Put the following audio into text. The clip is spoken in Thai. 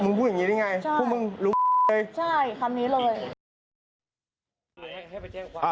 มึงพูดอย่างนี้ได้ไงพวกมึงลุ้นใช่ถามนี้เลย